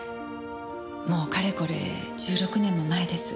もうかれこれ１６年も前です。